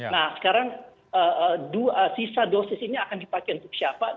nah sekarang sisa dosis ini akan dipakai untuk siapa